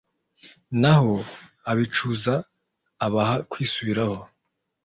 naho abicuza, abaha kwisubiraho